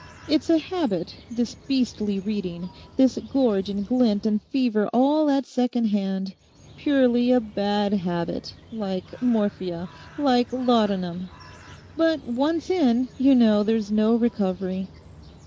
It's a habit this beastly reading; this gorge and glint and fever all at second hand—purely a bad habit, like morphia, like laudanum. But once in, you know there's no recovery.